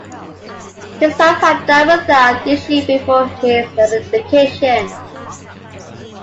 His wife had died without issue before his abdication.